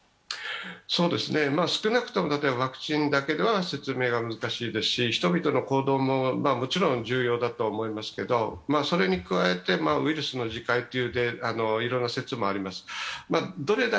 少なくともワクチンだけでは説明が難しいですし、人々の行動ももちろん重要だとは思いますけどそれに加えてウイルスの自壊といういろんな説もあります。